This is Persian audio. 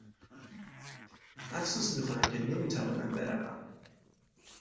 افسوس میخورم که نمیتوانم بروم.